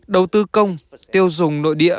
đầu tư công tiêu dùng nội địa